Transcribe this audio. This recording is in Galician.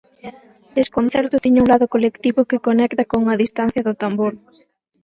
Desconcerto tiña un lado colectivo que conecta con A distancia do tambor.